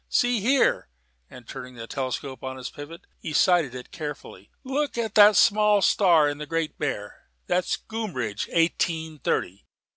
"See here" and, turning the telescope on its pivot, he sighted it carefully. "Look at that small star in the Great Bear: that's Groombridge Eighteen thirty.